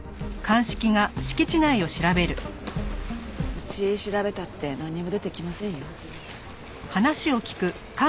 うち調べたってなんにも出てきませんよ。